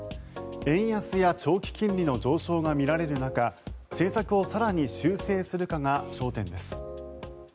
円安や長期金利の上昇が見られる中政策を更に修正するかが焦点です。